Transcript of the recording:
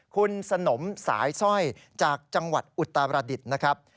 คุณสนมสายสร้อยจากจังหวัดอุตรดิษฐ์นะครับ